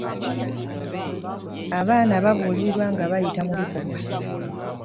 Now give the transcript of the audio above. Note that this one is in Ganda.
abaana bbabulirwa nga okuyita mu bikokyo